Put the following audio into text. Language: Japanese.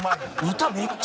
歌めっちゃ。